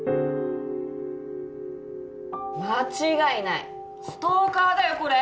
間違いないストーカーだよこれ！